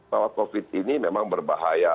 bahwa covid ini memang berbahaya